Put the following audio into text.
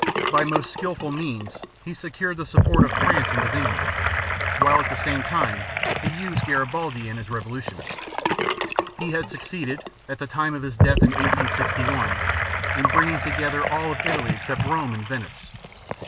By most skillful means he secured the support of France and of England, while at the same time he used Garibaldi and his revolutionists. He had succeeded, at the time of his death in 1861, in bringing together all of Italy except Rome and Venice.